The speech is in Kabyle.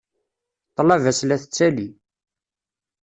Ṭṭlaba-s la tettali.